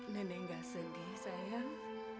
nenek gak sedih sayang